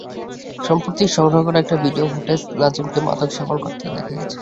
সম্প্রতি সংগ্রহ করা একটি ভিডিও ফুটেজে নাজিমকে মাদক সেবন করতে দেখা গেছে।